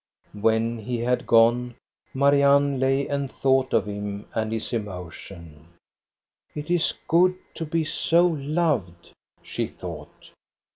When he had gone, Marianne lay and thought ot him and his emotion. " It is good to be so loved," she thought.